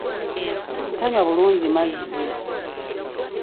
Tanywa bulungi mazzi.